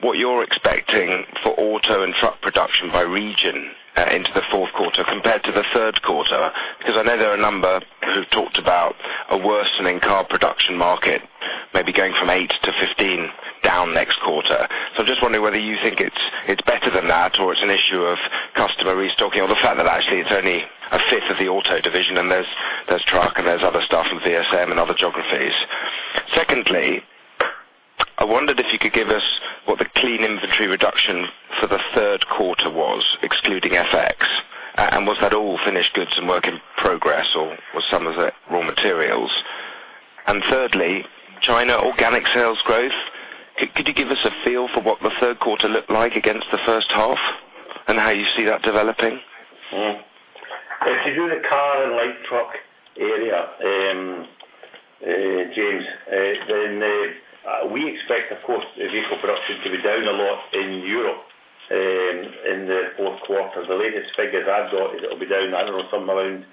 what you're expecting for auto and truck production by region into the fourth quarter compared to the third quarter. Because I know there are a number who've talked about a worsening car production market, maybe going from 8%-15% down next quarter. So I'm just wondering whether you think it's better than that, or it's an issue of customer restocking, or the fact that actually it's only a fifth of the auto division, and there's truck and there's other stuff from VSM and other geographies. Secondly, I wondered if you could give us what the clean inventory reduction for the third quarter was, excluding FX, and was that all finished goods and work in progress, or was some of it raw materials? And thirdly, China organic sales growth. Could you give us a feel for what the third quarter looked like against the first half, and how you see that developing? Mm-hmm. If you do the car and light truck area, James, then we expect, of course, vehicle production to be down a lot in Europe, in the fourth quarter. The latest figures I've got is it'll be down, I don't know, something around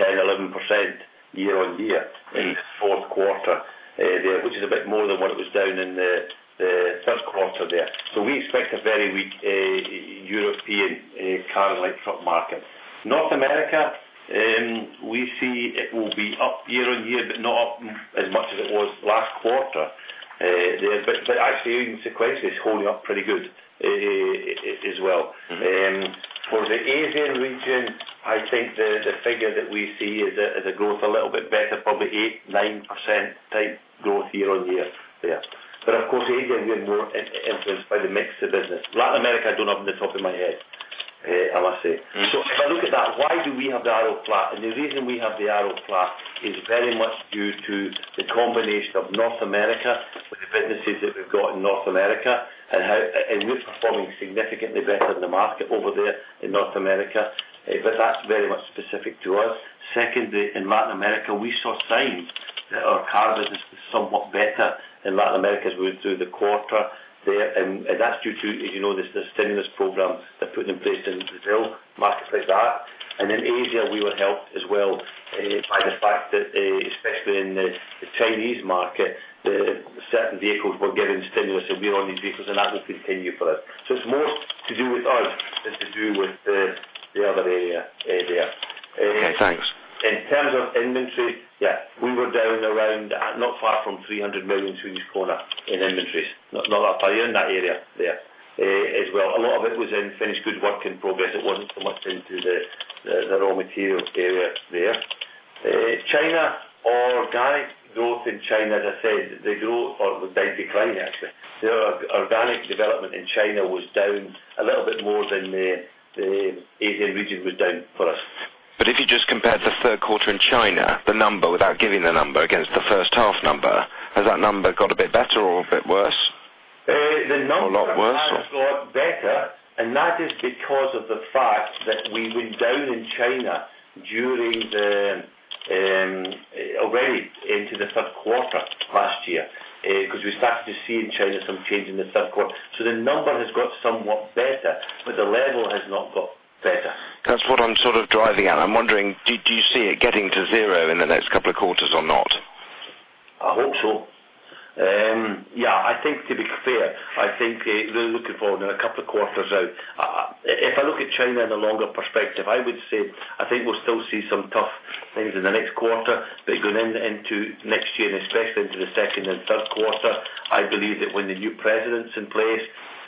10%-11% year-on-year- Mm-hmm. In the fourth quarter, there, which is a bit more than what it was down in the third quarter there. So we expect a very weak European car and light truck market. North America, we see it will be up year-on-year, but not up as much as it was last quarter. There, but actually, even sequentially, it's holding up pretty good as well. Mm-hmm. For the Asian region, I think the figure that we see is a growth a little bit better, probably 8%-9% type growth year-over-year there. But of course, Asian being more influenced by the mix of business. Latin America, I don't have off the top of my head, I must say. Mm-hmm. So if I look at that, why do we have the arrow flat? And the reason we have the arrow flat is very much due to the combination of North America, with the businesses that we've got in North America, and how. And we're performing significantly better than the market over there in North America, but that's very much specific to us. Secondly, in Latin America, we saw signs that our car business is somewhat better in Latin America, as we went through the quarter there, and that's due to, as you know, the stimulus program they're putting in place in Brazil, markets like that. And in Asia, we were helped as well by the fact that, especially in the Chinese market, certain vehicles were given stimulus, and we're on these vehicles, and that will continue for us. So it's more to do with us than to do with the other area out there. Okay, thanks. In terms of inventory, yeah, we were down around, not far from 300 million Swedish kronor through each quarter in inventories. Not, not that far, in that area there, as well. A lot of it was in finished goods, work in progress. It wasn't so much into the, the, the raw materials area there. China, organic growth in China, as I said, the growth or decline, actually. The organic development in China was down a little bit more than the, the Asian region was down for us. If you just compared the third quarter in China, the number, without giving the number against the first half number, has that number got a bit better or a bit worse? The number- Or a lot worse, or? - has got better, and that is because of the fact that we were down in China during the already into the third quarter last year. Because we started to see in China some change in the third quarter. So the number has got somewhat better, but the level has not got better. That's what I'm sort of driving at. I'm wondering, do you see it getting to zero in the next couple of quarters or not? I hope so. Yeah, I think to be fair, I think really looking forward in a couple of quarters out. If I look at China in a longer perspective, I would say, I think we'll still see some tough things in the next quarter, but going in, into next year, and especially into the second and third quarter, I believe that when the new president's in place,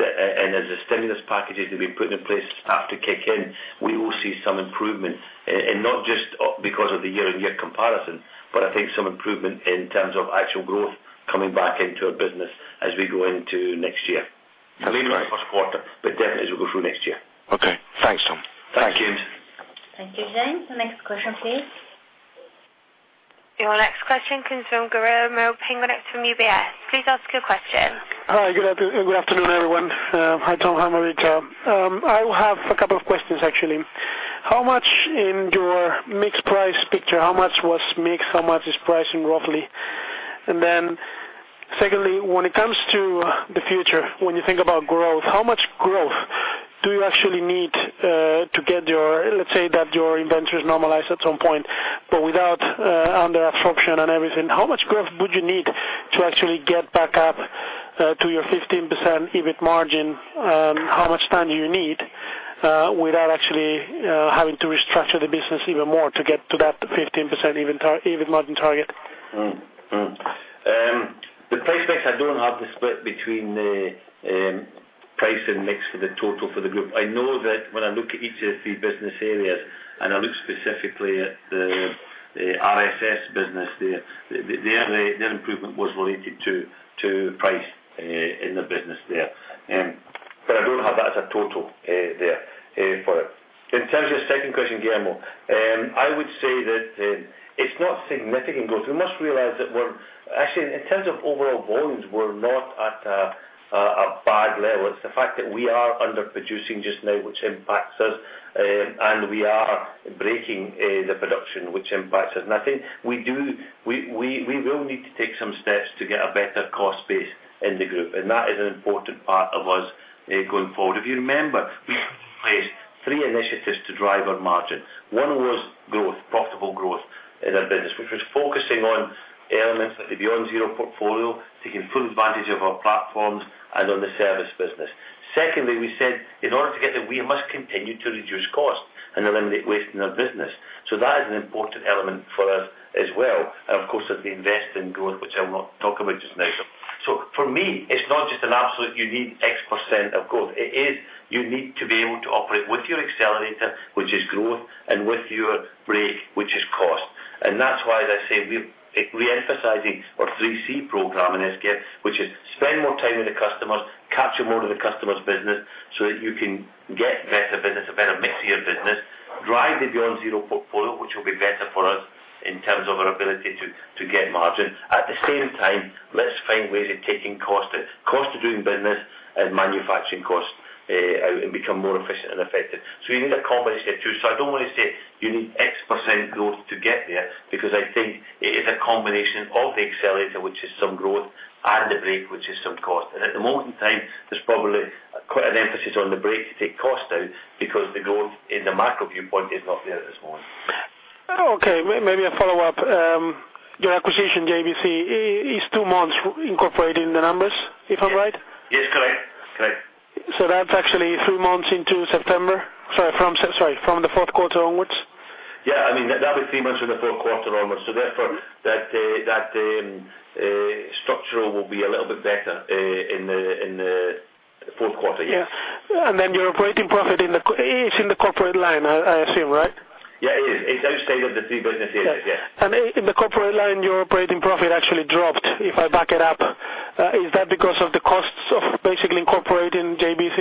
and as the stimulus packages that we've put in place start to kick in, we will see some improvement. And, and not just because of the year-on-year comparison, but I think some improvement in terms of actual growth coming back into our business as we go into next year. All right. Maybe not the first quarter, but definitely as we go through next year. Okay, thanks, Tom. Thanks, James. Thank you, James. The next question, please. Your next question comes from Guillermo Peigneux, from UBS. Please ask your question. Hi, good afternoon, everyone. Hi, Tom, hi, Marita. I have a couple of questions, actually. How much in your mix price picture, how much was mix, how much is pricing, roughly? And then secondly, when it comes to the future, when you think about growth, how much growth do you actually need to get your... Let's say that your inventory is normalized at some point, but without under absorption and everything, how much growth would you need to actually get back up to your 15% EBIT margin? How much time do you need without actually having to restructure the business even more to get to that 15% EBIT margin target? The price mix, I don't have the split between the price and mix for the total for the group. I know that when I look at each of the three business areas, and I look specifically at the RSS business there, their improvement was related to price in the business there. But I don't have that as a total there for it. In terms of your second question, Guillermo, I would say that it's not significant growth. We must realize that we're actually, in terms of overall volumes, we're not at a bad level. It's the fact that we are underproducing just now, which impacts us, and we are breaking the production, which impacts us. I think we will need to take some steps to get a better cost base in the group, and that is an important part of us going forward. If you remember, we placed 3 initiatives to drive our margin. 1 was growth, profitable growth in our business, which was focusing on elements like the BeyondZero portfolio, taking full advantage of our platforms and on the service business. Secondly, we said, in order to get there, we must continue to reduce costs and eliminate waste in our business. So that is an important element for us as well. And, of course, as we invest in growth, which I will not talk about just now. So for me, it's not just an absolute, you need X% of growth. It is, you need to be able to operate with your accelerator, which is growth, and with your brake, which is cost. And that's why, as I say, we're re-emphasizing our three C program in SKF, which is spend more time with the customers, capture more of the customer's business, so that you can get better business, a better mix of your business. Drive the BeyondZero portfolio, which will be better for us in terms of our ability to get margin. At the same time, let's find ways of taking cost out. Cost of doing business and manufacturing costs, and become more efficient and effective. So you need a combination of two. So I don't want to say you need X% growth to get there, because I think it is a combination of the accelerator, which is some growth, and the brake, which is some cost. At the moment in time, there's probably quite an emphasis on the brake to take cost out, because the growth in the macro viewpoint is not there at this moment. Okay, maybe a follow-up. Your acquisition, GBC, is two months incorporated in the numbers, if I'm right? Yes, correct. Correct. So that's actually three months into September. Sorry, from the fourth quarter onwards? Yeah, I mean, that'll be three months in the fourth quarter onwards. So therefore, that structural will be a little bit better in the fourth quarter, yes. Yeah. And then your operating profit in the quarter is in the corporate line, I, I assume, right? Yeah, it is. It's outside of the three business units, yes. In the corporate line, your operating profit actually dropped, if I back it up. Is that because of the costs of basically incorporating GBC?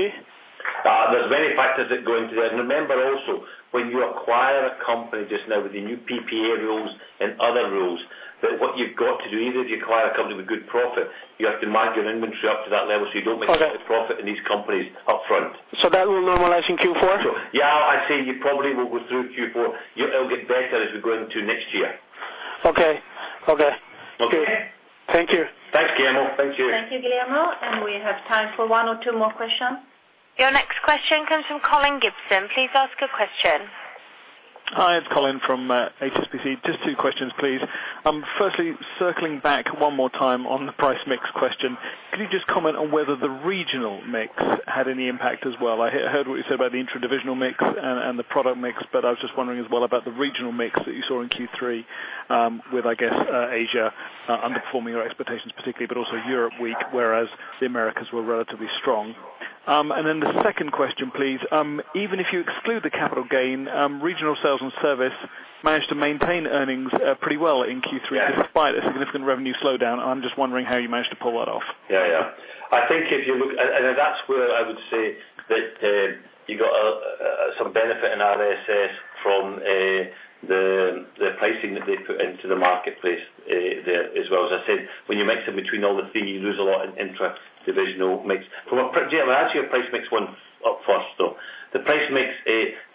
There's many factors that go into that. Remember also, when you acquire a company, just now with the new PPA rules and other rules, that what you've got to do, either if you acquire a company with good profit, you have to mark your inventory up to that level, so you don't make- Got it. a profit in these companies up front. So that will normalize in Q4? Yeah, I'd say you probably will go through Q4. It'll get better as we go into next year. Okay. Okay. Okay. Thank you. Thanks, Guillermo. Thank you. Thank you, Guillermo. We have time for one or two more questions. Your next question comes from Colin Gibson. Please ask your question. Hi, it's Colin from HSBC. Just two questions, please. Firstly, circling back one more time on the price mix question, could you just comment on whether the regional mix had any impact as well? I heard what you said about the intra-divisional mix and the product mix, but I was just wondering as well about the regional mix that you saw in Q3, with, I guess, Asia underperforming your expectations particularly, but also Europe weak, whereas the Americas were relatively strong. And then the second question, please, even if you exclude the capital gain, Regional Sales and Service managed to maintain earnings pretty well in Q3. Yeah. despite a significant revenue slowdown. I'm just wondering how you managed to pull that off. Yeah, yeah. I think if you look... And that's where I would say that, you got some benefit in RSS from, the pricing that they put into the marketplace, there as well. As I said, when you mix in between all the three, you lose a lot in intra-divisional mix. I'll answer your price mix one up first, though. The price mix,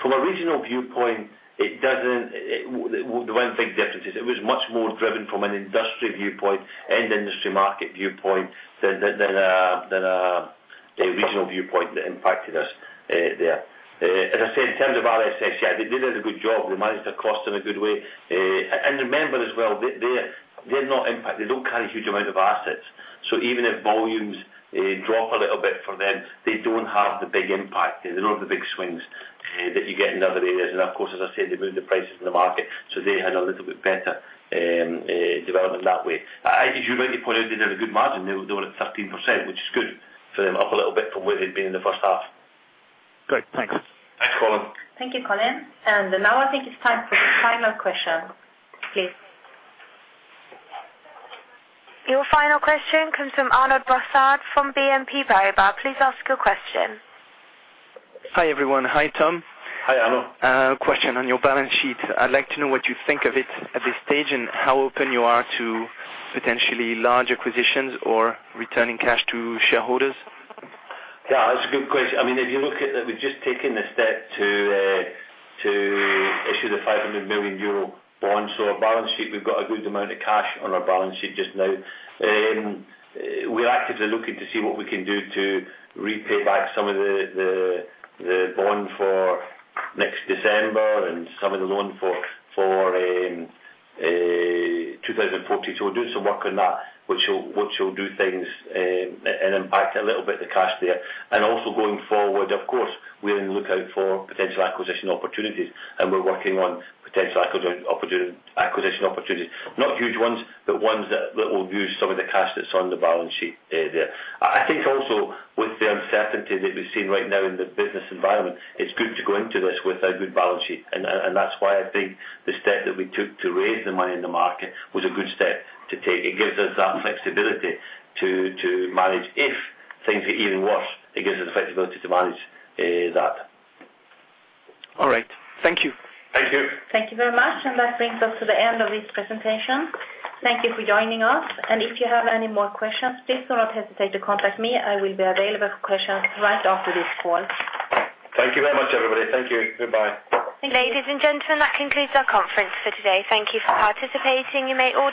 from a regional viewpoint, it doesn't, it... There weren't big differences. It was much more driven from an industry viewpoint and industry market viewpoint than a regional viewpoint that impacted us, there. As I said, in terms of RSS, yeah, they did a good job. They managed their costs in a good way. And remember as well, they don't carry a huge amount of assets. So even if volumes drop a little bit for them, they don't have the big impact. They don't have the big swings that you get in other areas. And of course, as I said, they moved the prices in the market, so they had a little bit better development that way. As you rightly pointed out, they did a good margin. They were at 13%, which is good for them. Up a little bit from where they'd been in the first half. Great. Thanks. Thanks, Colin. Thank you, Colin. Now I think it's time for the final question, please. Your final question comes from Arnaud Brossard, from BNP Paribas. Please ask your question. Hi, everyone. Hi, Tom. Hi, Arnaud. Question on your balance sheet. I'd like to know what you think of it at this stage and how open you are to potentially large acquisitions or returning cash to shareholders? Yeah, that's a good question. I mean, if you look at it, we've just taken the step to issue the 500 million euro bond. So our balance sheet, we've got a good amount of cash on our balance sheet just now. We're actively looking to see what we can do to repay back some of the, the, the bond for next December and some of the loan for 2014. So we're doing some work on that, which will do things and impact a little bit the cash there. And also going forward, of course, we're on the lookout for potential acquisition opportunities, and we're working on potential acquisition opportunities. Not huge ones, but ones that will use some of the cash that's on the balance sheet there. I think also with the uncertainty that we're seeing right now in the business environment, it's good to go into this with a good balance sheet. And that's why I think the step that we took to raise the money in the market was a good step to take. It gives us that flexibility to manage. If things get even worse, it gives us the flexibility to manage that. All right. Thank you. Thank you. Thank you very much, and that brings us to the end of this presentation. Thank you for joining us, and if you have any more questions, please do not hesitate to contact me. I will be available for questions right after this call. Thank you very much, everybody. Thank you. Goodbye. Ladies and gentlemen, that concludes our conference for today. Thank you for participating. You may all-